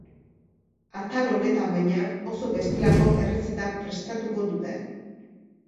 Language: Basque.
Atal honetan, baina, oso bestelako errezeta prestatuko dute.